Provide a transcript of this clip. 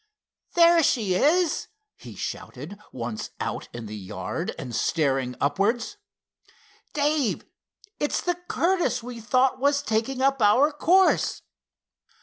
There she is!" he shouted, once out in the yard, and staring upwards. "Dave, it's the Curtiss we thought was taking up our course!"